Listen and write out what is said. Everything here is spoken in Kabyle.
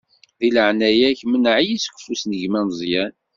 Di leɛnaya-k, mneɛ-iyi seg ufus n gma Meẓyan.